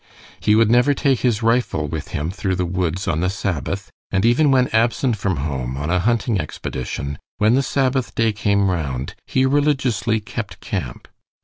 He would never take his rifle with him through the woods on the Sabbath, and even when absent from home on a hunting expedition, when the Sabbath day came round, he religiously kept camp.